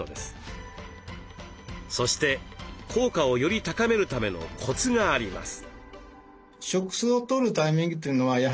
そして効果をより高めるためのコツがあります。